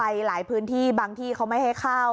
หลายพื้นที่บางที่เขาไม่ให้เข้า